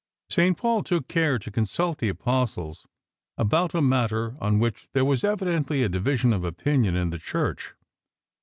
St. Paul took care to consult the Apostles about a matter on which there was evidently a division of opinion in the Church.